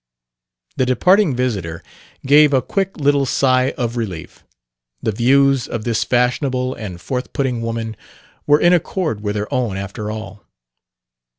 The departing visitor gave a quick little sigh of relief. The views of this fashionable and forthputting woman were in accord with her own, after all.